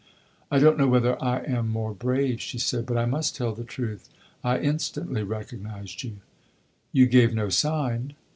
"I don't know whether I am more brave," she said; "but I must tell the truth I instantly recognized you." "You gave no sign!"